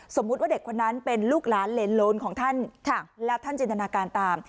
สมมุติว่าเด็กคนนั้นเป็นลูกหลานเหลนของท่านแล้วท่านจินตนาการตาม